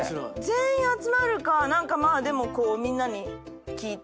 全員集まるか何かまあみんなに聞いて。